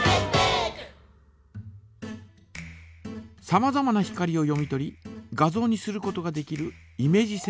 さまざまな光を読み取り画像にすることができる